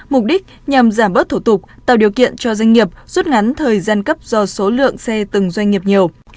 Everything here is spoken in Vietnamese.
mục đích nhằm giảm bớt thủ tục tạo điều kiện cho doanh nghiệp rút ngắn thời gian cấp do số lượng xe từng doanh nghiệp nhiều